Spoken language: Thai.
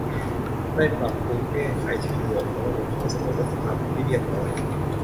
ได้ปรับปรุงแก้ไขช่องโหว่ของระบบห้องสมุดรัฐสภาเป็นที่เรียบร้อย